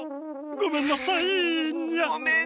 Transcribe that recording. ごめんなさい！